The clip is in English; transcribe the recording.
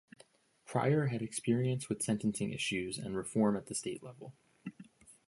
Pryor had experience with sentencing issues and reform at the state level.